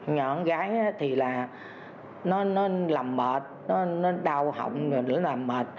nhỏ con gái thì là nó làm mệt nó đau hỏng nó làm mệt